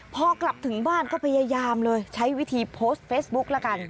พอกลับถึงบ้านก็พยายามเลยใช้วิธีโพสต์เฟซบุ๊คละกัน